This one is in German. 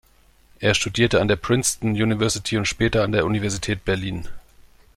Er studierte an der Princeton University und später an der Universität Berlin.